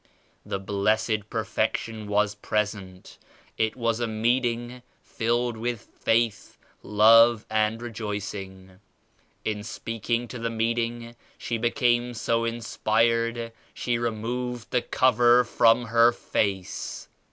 The Blessed Perfection was present. It was a meeting filled with faith, love and rejoicing. In speaking to the meeting she became so inspired she removed the cover from her face.